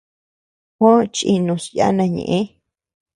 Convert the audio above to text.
Juó chinus yana ñeʼe.